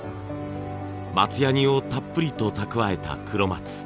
松ヤニをたっぷりと蓄えた黒松。